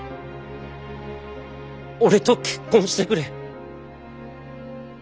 俺と結婚してくれ。